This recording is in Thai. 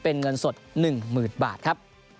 โอ้โห